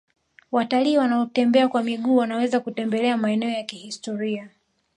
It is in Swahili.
watalii wanaotembea kwa miguu wanaweza kutembelea maeneo ya kihistoria